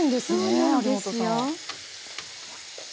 そうなんですよ。